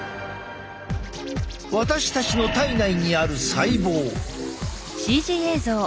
私たちの体内にある細胞。